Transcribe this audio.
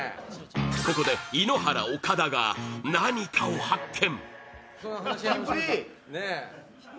ここで井ノ原、岡田が何かを発見！